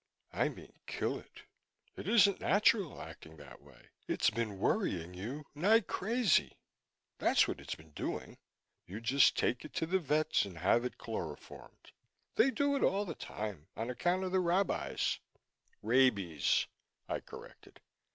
"I mean kill it. It isn't natural, acting that way. It's been worrying you nigh crazy, that's what it's been doing. You just take it to the vet's and have it chloroformed. They do it all the time on account of the rabbis " "Rabies," I corrected.